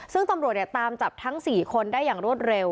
ซึ่งตำรวจตามจับทั้ง๔คนได้อย่างรวดเร็ว